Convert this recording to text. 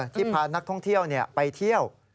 ที่พานักท่องเที่ยวไปเที่ยว